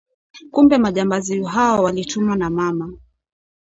Kumbe majambazi hao walitumwa na mama